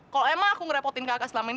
kalau emang aku ngerepotin kakak selama ini